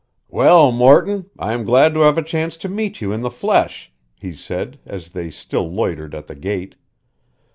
"Well, Morton, I am glad to have a chance to meet you in the flesh," he said, as they still loitered at the gate.